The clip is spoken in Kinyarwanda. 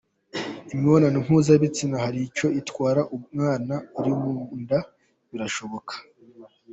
Imibonano mpuzabitsina hari icyo itwara umwana uri mu nda? Birashoboka